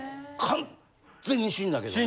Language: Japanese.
完全に死んだけどね。